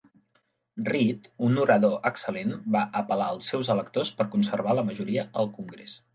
Rhett, un orador excel·lent, va apel·lar als seus electors per conservar la majoria al Congrés.